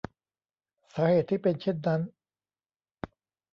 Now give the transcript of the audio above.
สาเหตุที่เป็นเช่นนั้น